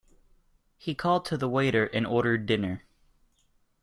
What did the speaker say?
He called to the waiter and ordered dinner.